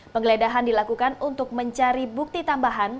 penggeledahan dilakukan untuk mencari bukti tambahan